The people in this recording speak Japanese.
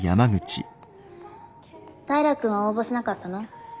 平君は応募しなかったの？